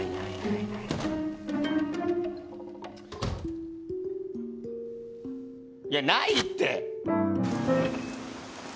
いやないって！